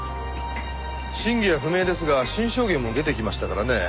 真偽は不明ですが新証言も出てきましたからね。